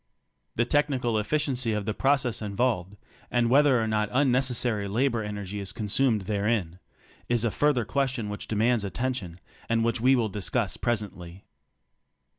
The technical efficiency of the process involved, and whether or not unnecessary la bor energy is consumed therein, is a further question which demands attention, and which we will discuss presently.